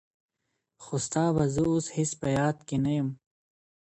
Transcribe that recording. خو ستا به زه اوس هيڅ په ياد كي نه يم~